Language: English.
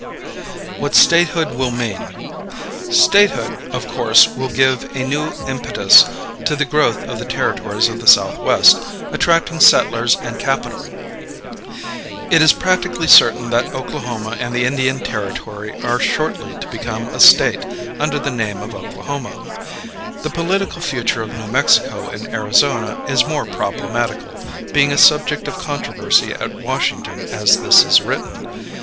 What Statehood Will Mean. Statehood, of course, will give a new impetus to the growth of the Territories of the Southwest, attracting settlers and capital. It is practically certain that Oklahoma and the Indian Territory are shortly to become a State under the name of Oklahoma. The political future of New Mexico and Arizona is more problematical, being a subject of controversy at Washington as this is written.